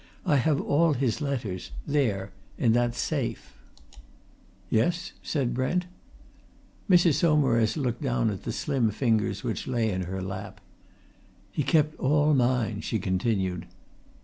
I have all his letters there, in that safe." "Yes?" said Brent. Mrs. Saumarez looked down at the slim fingers which lay in her lap. "He kept all mine," she continued.